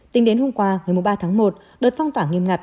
tính đến hôm qua một mươi ba tháng một đợt phong tỏa nghiêm ngặt